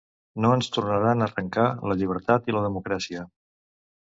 No ens tornaran a arrencar la llibertat i la democràcia.